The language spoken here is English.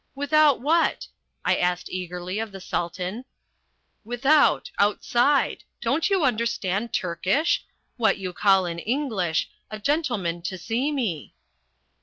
"Without what?" I asked eagerly of the Sultan. "Without outside. Don't you understand Turkish? What you call in English a gentleman to see me."